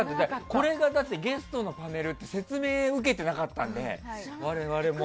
これがゲストのパネルだって説明を受けてなかったんで我々も。